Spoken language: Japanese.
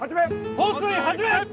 放水始め！